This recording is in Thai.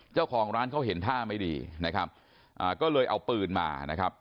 เจ้าของร้านเขาเห็นท่าไม่ดีนะครับอ่าก็เลยเอาปืนมานะครับ